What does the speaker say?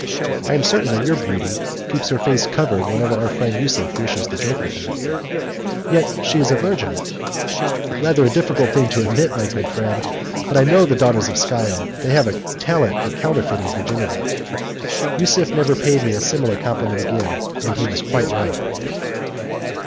I am certain that your beauty keeps her face covered whenever our friend Yusuf wishes to joke with her." "She is yet a virgin." "Rather a difficult thing to admit, my good friend; but I know the daughters of Scio; they have a talent for counterfeiting virginity." Yusuf never paid me a similar compliment again, and he was quite right.